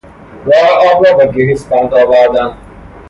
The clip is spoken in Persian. راه آب را با گریس بند آوردن